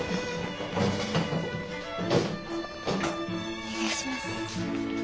お願いします。